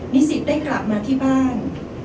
สิทธิ์ได้กลับมาที่บ้าน